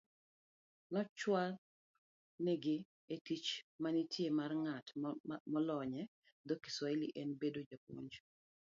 Nowachnigi ni tich manitie mar ng'at molonye dho Kiswahili en bedo japuonj